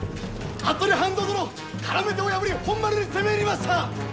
服部半蔵殿からめ手を破り本丸に攻め入りました！